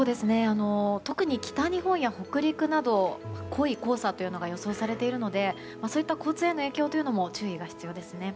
特に北日本や北陸などは濃い黄砂が予想されているので交通への影響というのも注意が必要ですね。